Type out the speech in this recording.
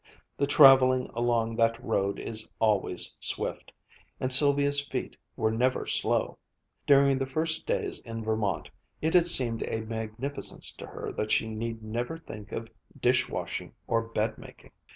The traveling along that road is always swift; and Sylvia's feet were never slow. During the first days in Vermont, it had seemed a magnificence to her that she need never think of dish washing or bed making.